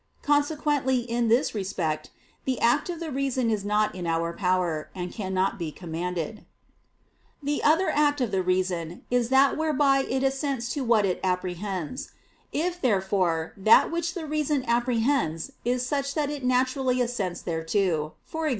Consequently in this respect, the act of the reason is not in our power, and cannot be commanded. The other act of the reason is that whereby it assents to what it apprehends. If, therefore, that which the reason apprehends is such that it naturally assents thereto, e.g.